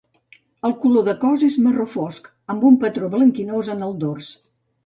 El color de cos és marró fosc, amb un patró blanquinós en el dors.